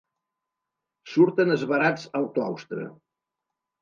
Surten esverats al claustre.